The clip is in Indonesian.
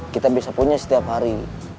kita bisa punya setiap hari